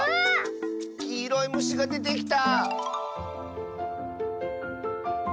きいろいむしがでてきた！